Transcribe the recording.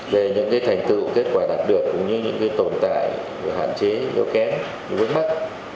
về những thành tựu kết quả đạt được cũng như những tồn tại hạn chế yếu kém vững mắc